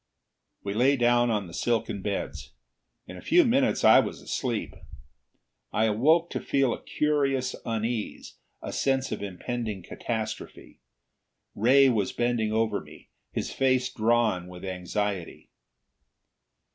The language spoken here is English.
We lay down on the silken beds. In a few minutes I was sleep. I awoke to feel a curious unease, a sense of impending catastrophe. Ray was bending over me, his face drawn with anxiety.